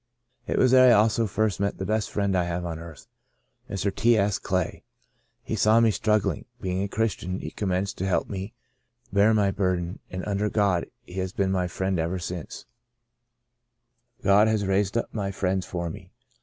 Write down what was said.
" It was there I also first met the best friend I have on earth — Mr. T. S. Clay. He saw me struggHng; being a Christian he com menced to help me bear my burden, and under God he has been my friend ever since. 130 " Out of Nazareth " God has raised up many friends for me.